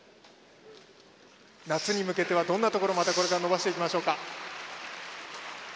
夏に向けてはどんなところを伸ばしていきましょうか。